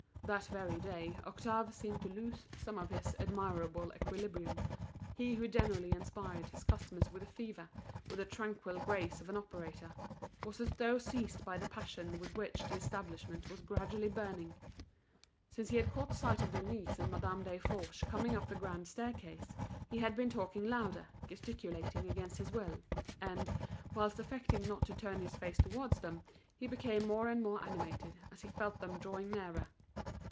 That very day Octave seemed to lose some of his admirable equilibrium; he who generally inspired his customers with a fever, with the tranquil grace of an operator, was as though seized by the passion with which the establishment was gradually burning. Since he had caught sight of Denise and Madame Desforges coming up the grand staircase, he had been talking louder, gesticulating against his will; and, whilst affecting not to turn his face towards them, he became more and more animated as he felt them drawing nearer.